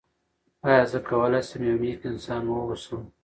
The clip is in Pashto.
آیا زه کولی شم یو نېک انسان واوسم؟